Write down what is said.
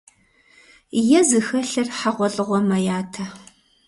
Е зыхэлъыр хьэгъуэлӀыгъуэм мэятэ.